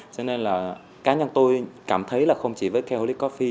cho nên là cá nhân tôi cảm thấy là không chỉ với keholic coffee